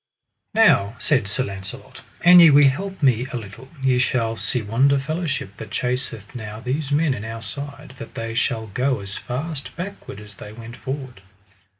Now, said Sir Launcelot, an ye will help me a little, ye shall see yonder fellowship that chaseth now these men in our side, that they shall go as fast backward as they went forward.